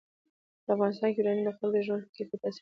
په افغانستان کې یورانیم د خلکو د ژوند په کیفیت تاثیر کوي.